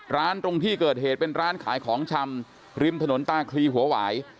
ตรงที่เกิดเหตุเป็นร้านขายของชำริมถนนตาคลีหัวหวาย